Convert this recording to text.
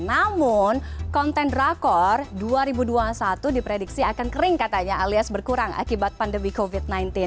namun konten drakor dua ribu dua puluh satu diprediksi akan kering katanya alias berkurang akibat pandemi covid sembilan belas